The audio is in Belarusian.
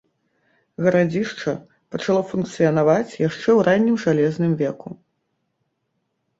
Гарадзішча пачало функцыянаваць яшчэ ў раннім жалезным веку.